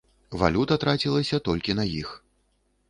Валюта трацілася толькі на іх.